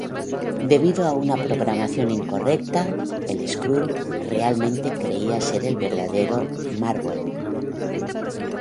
Debido a una programación incorrecta, el Skrull realmente creía ser el verdadero Mar-Vell.